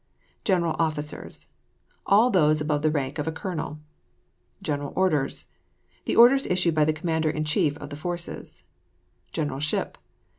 GENERAL OFFICERS. All those above the rank of a colonel. GENERAL ORDERS. The orders issued by the commander in chief of the forces. GENERAL SHIP.